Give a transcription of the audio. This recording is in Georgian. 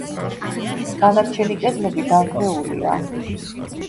დანარჩენი კედლები დანგრეულია.